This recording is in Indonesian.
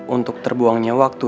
untuk terbuangnya waktu